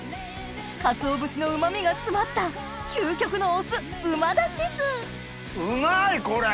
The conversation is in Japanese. かつお節のうま味が詰まった究極のお酢旨だし酢うまいこれ！